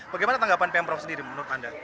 bagaimana tanggapan pm prof sendiri menurut anda